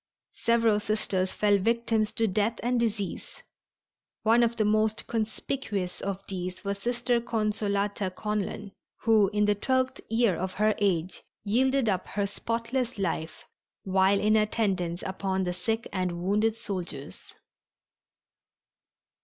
Several Sisters fell victims to death and disease. One of the most conspicuous of these was Sister Consolata Conlan, who in the twentieth year of her age yielded up her spotless life while in attendance upon the sick and wounded soldiers.